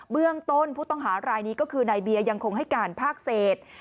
เบื้องต้นผู้ต้องหารายนี้ก็คือนายเบียร์ยังคงให้การภาคเศษ